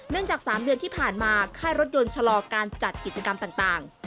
จาก๓เดือนที่ผ่านมาค่ายรถยนต์ชะลอการจัดกิจกรรมต่าง